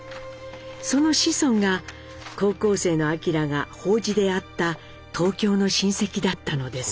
その子孫が高校生の明が法事で会った東京の親戚だったのです。